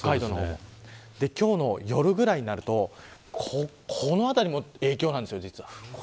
今日の夜ぐらいになるとこの辺りにも影響が出てきます。